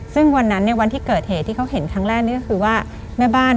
ซึ่งวันนั้นวันที่เกิดเหตุที่เขาเห็นครั้งแรกนี้ก็คือว่า